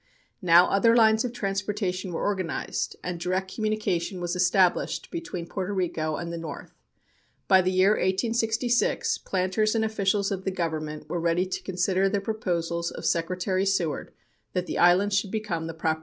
Now other lines of transportation were organized, and direct communication was established between Porto Rico and the north. By the year 1866, planters and officials of the Government were ready to consider the proposals of Secretary Seward that the islands should become the property of the United States.